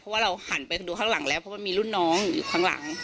เพราะว่าเราหันไปดูข้างหลังแล้วเพราะว่ามีรุ่นน้องอยู่ข้างหลัง